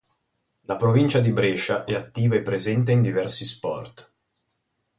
La provincia di Brescia è attiva e presente in diversi sport.